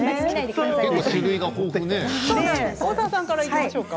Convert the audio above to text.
大沢さんからいきましょうか。